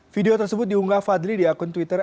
video tersebut diunggah fadli di akun twitter